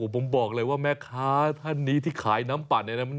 ผมบอกเลยว่าแม่ค้าท่านนี้ที่ขายน้ำปัน